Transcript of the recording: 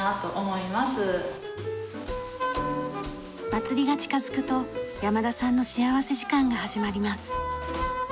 祭りが近づくと山田さんの幸福時間が始まります。